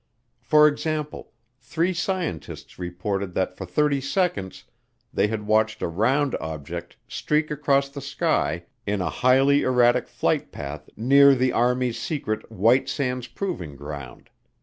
For example, three scientists reported that for thirty seconds they had watched a round object streak across the sky in a highly erratic flight path near the Army's secret White Sands Proving Ground.